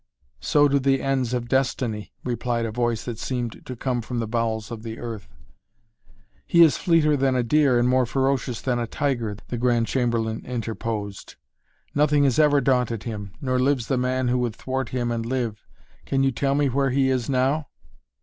"So do the ends of destiny," replied a voice that seemed to come from the bowels of the earth. "He is fleeter than a deer and more ferocious than a tiger," the Grand Chamberlain interposed. "Nothing has ever daunted him, nor lives the man who would thwart him and live. Can you tell me where he is now?"